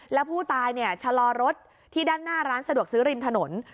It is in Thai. แล้วผู้ตายชะลอรถที่ด้านหน้าร้านสะดวกซื้อริมถนน